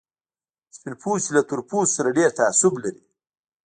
سپين پوستي له تور پوستو سره ډېر تعصب لري.